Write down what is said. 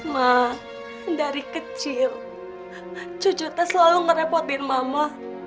maaah dari kecil cucu teh selalu ngerepotin mama